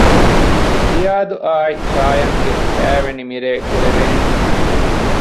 ޒިޔާދު އާއި ޝާޔަން ގެ ކައިވެނި މިރޭ ކުރެވޭނެ